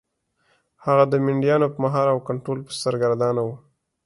هغه د مینډیانو په مهار او کنټرول پسې سرګردانه و.